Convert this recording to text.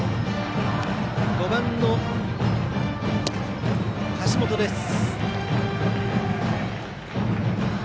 ５番の橋本です。